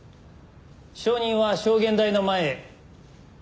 証人は証言台の前へ。